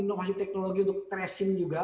inovasi teknologi untuk tracing juga